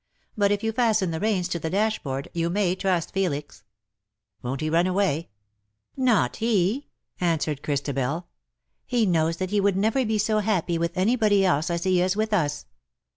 " But if you fasten the reins to the dashboard, you may trust Felix." " Won't he run away ?"" Not he," answered Christabel. " He knows that he would never be so happy with anybody else as he is with us."